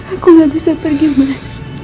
aku gak bisa pergi mati